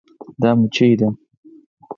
دا مچي ده